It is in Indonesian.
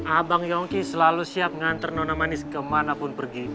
abang yungki selalu siap nganter nona manis kemana pun pergi